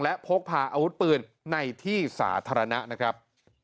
และพกพาอาวุธปืนในที่สาธารณะนะครับ